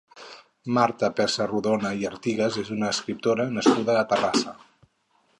Marta Pessarrodona i Artigues és una escriptora nascuda a Terrassa.